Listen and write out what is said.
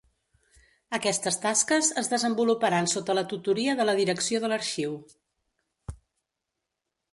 Aquestes tasques es desenvoluparan sota la tutoria de la direcció de l'arxiu.